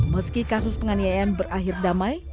meski kasus penganiayaan berakhir damai